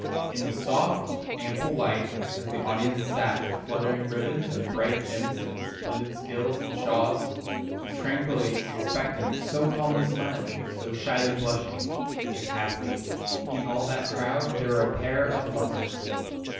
In the soft, ample light, as the audience sat with fluttering ribbons and bright gems and splendid silks and shawls, so tranquilly expectant, so calmly smiling, so shyly blushing (if, haply, in all that crowd there were a pair of lovers!)